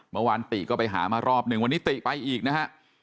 เมื่อวานติก็ไปหามารอบหนึ่งวันนี้ติไปอีกนะฮะ